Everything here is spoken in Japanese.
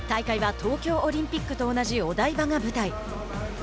大会は東京オリンピックと同じお台場が舞台。